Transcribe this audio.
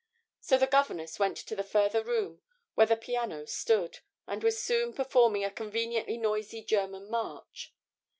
So the governess went to the further room where the piano stood, and was soon performing a conveniently noisy German march.